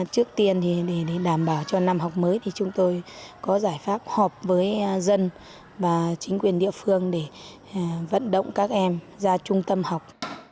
trước tiên thì để đảm bảo cho năm học mới thì chúng tôi có giải pháp họp với dân và chính quyền địa phương để vận động các em ra trung tâm học